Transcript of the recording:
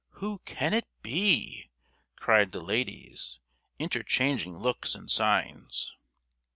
Who can it be?" cried the ladies, interchanging looks and signs.